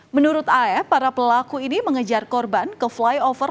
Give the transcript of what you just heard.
menurut af para pelaku ini mengejar korban ke flyover